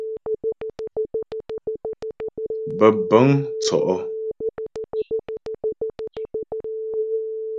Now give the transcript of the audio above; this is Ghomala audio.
Bə̀bə̂ŋ tsɔ́' ɔ.